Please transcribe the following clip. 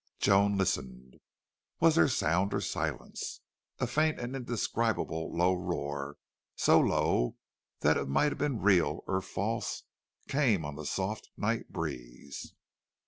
Joan listened. Was there sound or silence? A faint and indescribably low roar, so low that it might have been real or false, came on the soft night breeze.